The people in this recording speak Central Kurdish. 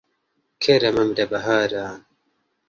کەرە مەمرە بەهارە.